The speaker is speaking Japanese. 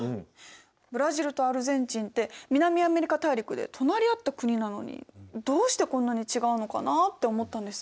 ブラジルとアルゼンチンって南アメリカ大陸で隣り合った国なのにどうしてこんなに違うのかなって思ったんです。